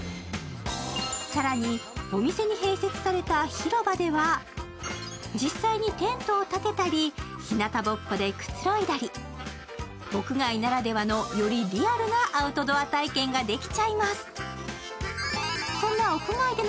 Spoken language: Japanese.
更にお店に併設されたＨＩＲＯＢＡでは実際にテントを建てたり、ひなたぼっこでくつろいだり屋外ならではの、よりリアルなアウトドア体験ができちゃいます。